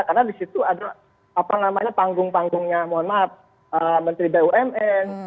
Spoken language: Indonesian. karena di situ ada panggung panggungnya menteri bumn